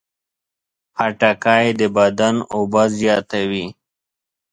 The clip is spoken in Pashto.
خټکی د بدن اوبه زیاتوي.